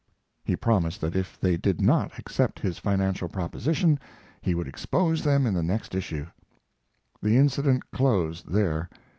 He promised that if they did not accept his financial proposition he would expose them in the next issue. The incident closed there.